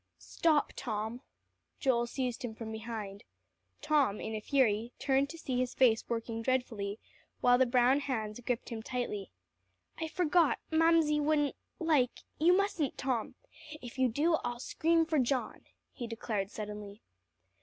"Stop, Tom." Joel seized him from behind. Tom, in a fury, turned to see his face working dreadfully, while the brown hands gripped him tightly. "I forgot Mamsie wouldn't like you mustn't, Tom. If you do, I'll scream for John," he declared suddenly.